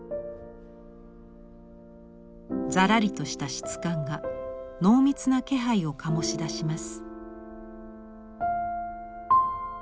ざらりとした質感が濃密な気配を醸し出します。